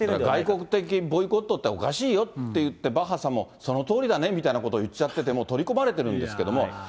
外交的ボイコットっておかしいよっていって、バッハさんもそのとおりだねみたいなことを言っちゃってて、もう取り込まれてるんですけれども。